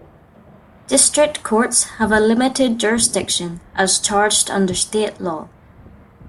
District Courts have a limited jurisdiction as charged under state law.